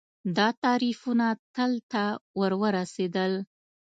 دا تعریفونه تل ته ورورسېدل